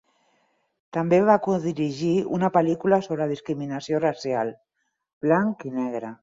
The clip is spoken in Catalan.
També va codirigir una pel·lícula sobre discriminació racial: "Blanc i negre".